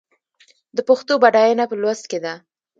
د پښتو بډاینه په لوست کې ده.